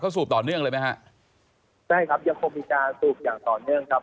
สูบต่อเนื่องเลยไหมฮะใช่ครับยังคงมีการสูบอย่างต่อเนื่องครับ